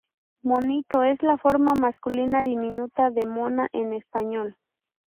Monito es la forma masculina diminuta de Mona en español.